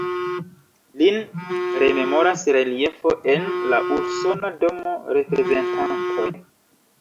Lin rememoras reliefo en la Usona Domo de Reprezentantoj.